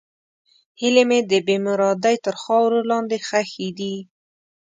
هیلې مې د بېمرادۍ تر خاورو لاندې ښخې دي.